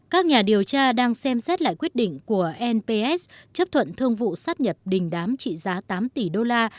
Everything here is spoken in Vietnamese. các nhà điều tra đang xem xét lại quyết định của nps chấp thuận thương vụ sát nhập đình đám trị giá tám tỷ đô la